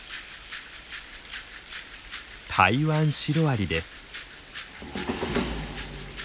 タイワンシロアリです。